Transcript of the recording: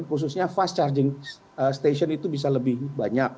khususnya fast charging station itu bisa lebih banyak